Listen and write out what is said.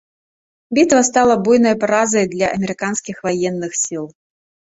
Бітва стала буйнай паразай для амерыканскіх ваенных сіл.